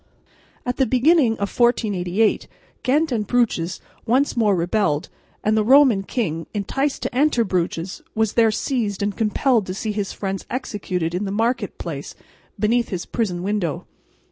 At the beginning of 1488 Ghent and Bruges once more rebelled; and the Roman king, enticed to enter Bruges, was there seized and compelled to see his friends executed in the market place beneath his prison window.